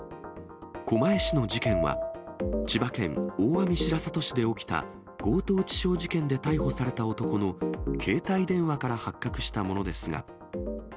狛江市の事件は、千葉県大網白里市で起きた強盗致傷事件で逮捕された男の携帯電話から発覚したものですが。